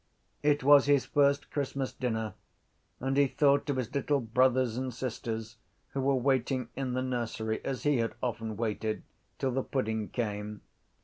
It was his first Christmas dinner and he thought of his little brothers and sisters who were waiting in the nursery, as he had often waited, till the pudding came.